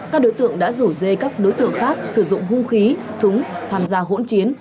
các đối tượng đã rủ dê các đối tượng khác sử dụng hung khí súng tham gia hỗn chiến